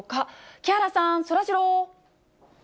木原さん、そらジロー。